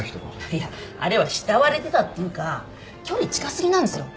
いやあれは慕われてたっていうか距離近過ぎなんですよ。